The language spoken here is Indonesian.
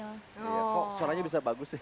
iya kok suaranya bisa bagus sih